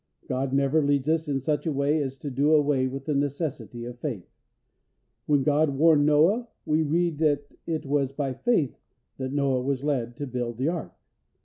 God never leads us in such a way as to do away with the necessity of faith. When God warned Noah, we read that it was by faith that Noah was led to build the ark.